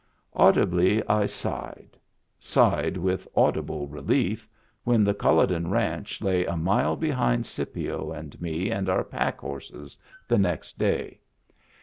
Audibly I sighed, sighed with audible relief, when the Culloden Ranch lay a mile behind Scipio and me and our packhorses the next day.